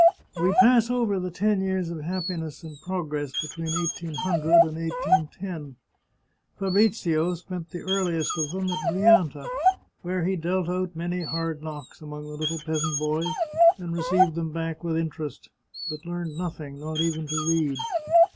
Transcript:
We pass over the ten years of happiness and progress between 1800 and 18 10. Fabrizio spent the earliest of them at Grianta, where he dealt out many hard knocks among the little peasant boys, and received them back with interest, but learned nothing — not even to read.